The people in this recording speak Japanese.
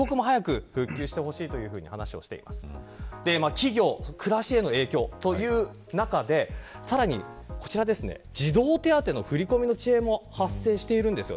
企業、暮らしへの影響という中でさらにこちら、児童手当の振り込みの遅延も発生しています。